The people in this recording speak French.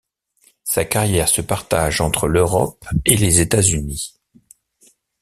Sa carrière se partage entre l'Europe et les États-Unis.